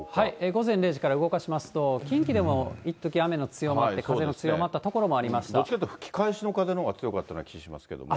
午前０時から動かしますと、近畿でもいっとき、雨の強まって、どっちかっていうと吹き返しの風のほうが強かったような気がしますけども。